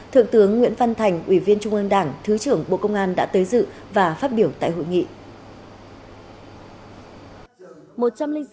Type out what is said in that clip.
thượng tướng nguyễn văn thành ủy viên trung ương đảng thứ trưởng bộ công an đã tới dự và phát biểu tại hội nghị